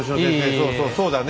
そうそうそうだね。